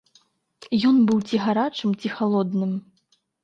Ён быў ці гарачым, ці халодным!